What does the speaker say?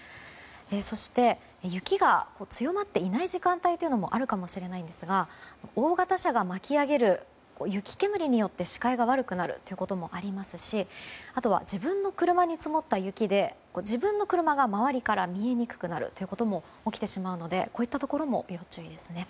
そして、雪が強まっていない時間帯もあるかもしれないんですが大型車が巻き上げる雪煙によって視界が悪くなることもありますしあとは自分の車に積もった雪で自分の車が周りから見えにくくなるということも起きてしまうのでこういったところも要注意ですね。